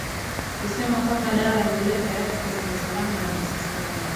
husema kwamba dawa ya kulevya ya ecstasy ni salama na humsisimua